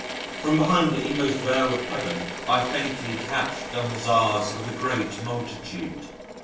From behind the inmost veil of Heaven I faintly catch the huzzas of a great multitude.